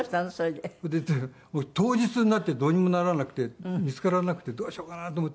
それで当日になってどうにもならなくて見つからなくてどうしようかなと思って。